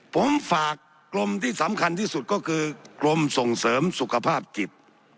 ผมฝากกรมที่สำคัญที่สุดก็คือกรมส่งเสริมสุขภาพจิต